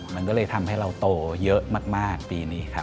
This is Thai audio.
มันก็เลยทำให้เราโตเยอะมากปีนี้ครับ